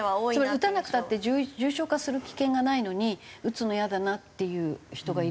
打たなくたって重症化する危険がないのに打つのイヤだなっていう人がいるっていう噂ですか？